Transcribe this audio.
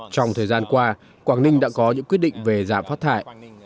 trong thời gian qua quảng ninh đã có những quyết định về giảm phát thải